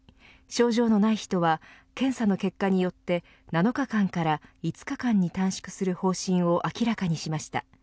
症状のない人は検査の結果によって７日間から５日間に短縮する方針を明らかにしました。